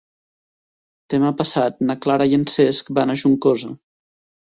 Demà passat na Clara i en Cesc van a Juncosa.